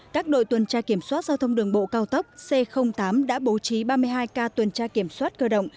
các đội tuần tra kiểm soát giao thông đường bộ cao tốc c tám đã bố trí ba mươi hai ca tuần tra kiểm soát cơ động